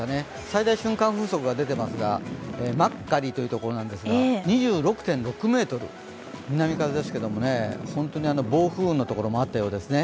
最大瞬間風速が出ていますが、真狩というところですが、２６．６メートル、南風ですけども、本当に暴風のところもあったようですね。